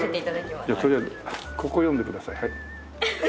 じゃあとりあえずここを読んでくださいはい。